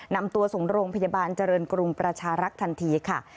นำตัวส่งโรงพยาบาลเจริญกรุงประชารักษ์ทันทีค่ะ